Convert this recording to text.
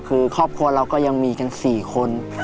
คือครอบครัวเราก็ยังมีกัน๔คน